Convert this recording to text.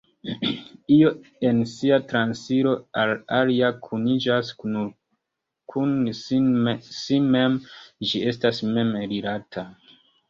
Io en sia transiro al alia kuniĝas nur kun si mem, ĝi estas mem-rilata.